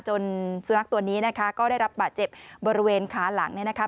สุนัขตัวนี้นะคะก็ได้รับบาดเจ็บบริเวณขาหลังเนี่ยนะคะ